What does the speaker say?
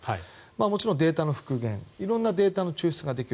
もちろんデータの復元色んなデータの抽出ができる